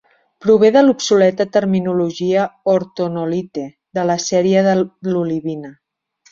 Prové de l'obsoleta terminologia "hortonolite" de la sèrie de l'olivina.